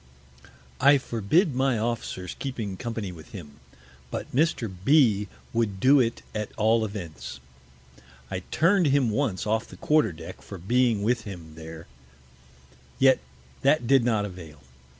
I forbid my Officers keeping Company with him; but Mr. B s would do it at all Events. I turn'd him once off the Quarter Deck for being with him there, yet that did not avail.